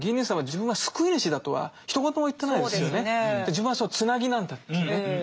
自分はその繋ぎなんだっていうね。